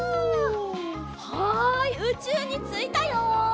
はいうちゅうについたよ。